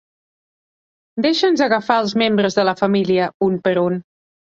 Deixa'ns agafar els membres de la família un per un.